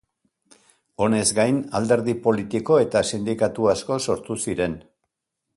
Honez gain, alderdi politiko eta sindikatu asko sortu ziren.